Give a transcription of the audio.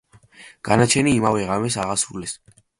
განაჩენი იმავე ღამეს აღასრულეს.